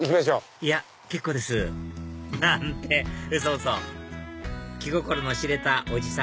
いや結構ですなんてウソウソ気心の知れたおじさん